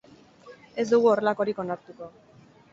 Ez dugu horrelakorik onartuko.